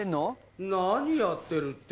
何やってるって？